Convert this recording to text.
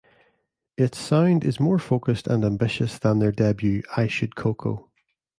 Its sound is more focused and ambitious than their debut, "I Should Coco".